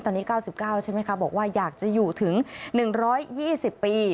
ตอนนี้เก้าสิบเก้าใช่ไหมคะบอกว่าอยากจะอยู่ถึงหนึ่งร้อยยี่สิบปี